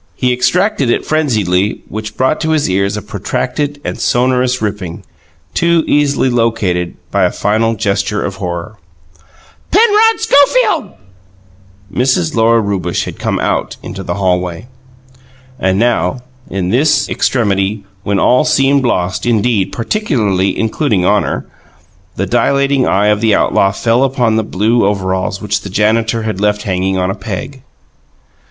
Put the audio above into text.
He extracted it frenziedly, which brought to his ears a protracted and sonorous ripping, too easily located by a final gesture of horror. "Penrod Schofield!" Mrs. Lora Rewbush had come out into the hallway. And now, in this extremity, when all seemed lost indeed, particularly including honour, the dilating eye of the outlaw fell upon the blue overalls which the janitor had left hanging upon a peg.